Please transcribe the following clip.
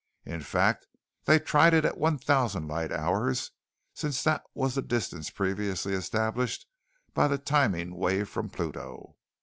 In fact, they tried it at one thousand light hours, since that was the distance previously established by the timing wave from Pluto.